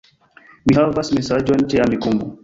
Mi havas mesaĝon ĉe Amikumu